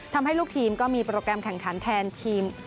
ทำให้ลูกทีมก็มีโปรแกรมแข่งขันแทนทีม